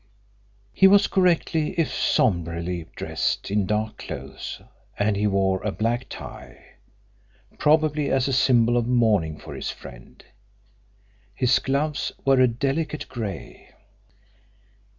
He was correctly, if sombrely, dressed in dark clothes, and he wore a black tie probably as a symbol of mourning for his friend. His gloves were a delicate grey.